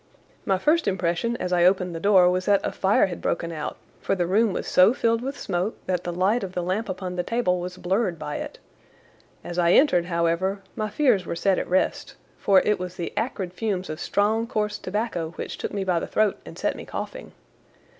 My first impression as I opened the door was that a fire had broken out, for the room was so filled with smoke that the light of the lamp upon the table was blurred by it. As I entered, however, my fears were set at rest, for it was the acrid fumes of strong coarse tobacco which took me by the throat and set me coughing.